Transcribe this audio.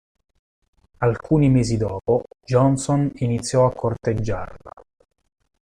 Alcuni mesi dopo, Johnson iniziò a corteggiarla.